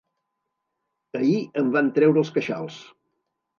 Ahir em van treure els queixals.